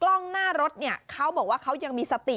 กล้องหน้ารถเนี่ยเขาบอกว่าเขายังมีสติ